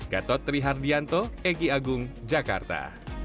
gatot trihardianto egy agung jakarta